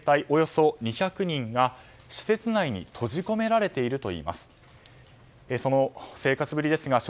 およそ２００人が施設内に閉じ込められているといいます。